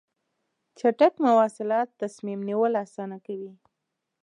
چټک مواصلات تصمیم نیول اسانه کوي.